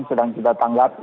sedang kita tanggapi